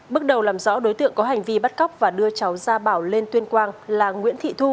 bước đầu làm rõ đối tượng có hành vi bắt cóc và đưa cháu gia bảo lên tuyên quang là nguyễn thị thu